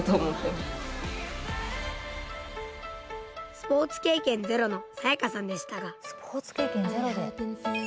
スポーツ経験ゼロの彩夏さんでしたが。